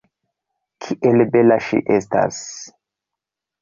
Kiel bela ŝi estas!